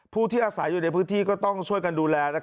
ผู้ที่อาศัยอยู่ในพื้นที่ก็ต้องช่วยกันดูแล